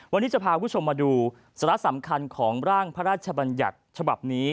วันนี้จะพาคุณผู้ชมมาดูสาระสำคัญของร่างพระราชบัญญัติฉบับนี้